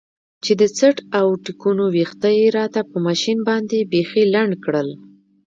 چې د څټ او ټېکونو ويښته يې راته په ماشين باندې بيخي لنډ کړل.